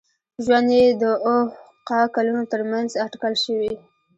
ژوند یې د او ه ق کلونو تر منځ اټکل شوی.